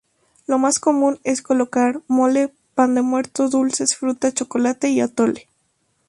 Lo más común es colocar mole, pan de muerto, dulces, fruta, chocolate y atole.